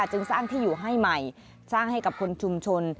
จึงสร้างที่อยู่ให้ใหม่สร้างให้กับคนชุมชน